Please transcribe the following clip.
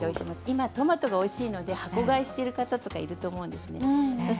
今トマトがおいしいので箱買いしている方がいると思います。